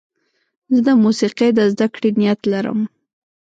زه د موسیقۍ د زدهکړې نیت لرم.